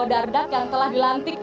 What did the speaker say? dardak yang telah dilantik